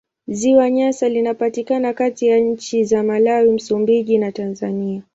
Ziwa Nyasa linapatikana kati ya nchi za Malawi, Msumbiji na Tanzania.